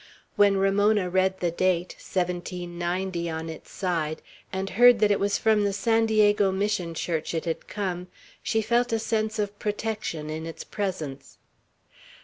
When Ramona read the date, "1790," on its side, and heard that it was from the San Diego Mission church it had come, she felt a sense of protection in its presence.